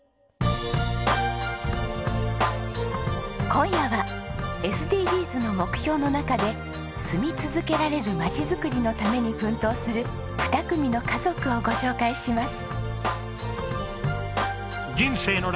今夜はＳＤＧｓの目標の中で「住み続けられるまちづくり」のために奮闘する２組の家族をご紹介します。